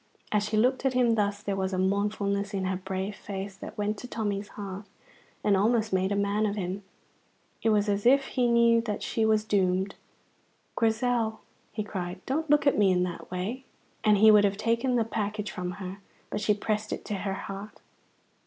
As she looked at him thus there was a mournfulness in her brave face that went to Tommy's heart and almost made a man of him. It was as if he knew that she was doomed. "Grizel," he cried, "don't look at me in that way!" And he would have taken the package from her, but she pressed it to her heart.